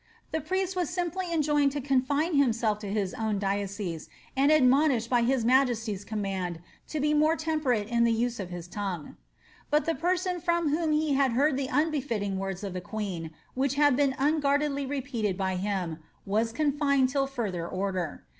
^ The priest was simply enjoined to confine liimaelf to his own diocese, and admonished by his majesty's command to be more temperate in the use of his tongue," but the person from whom he had heard the unbefitting words of the queen, which had been unguardedly repeated by him, was confined till further order.'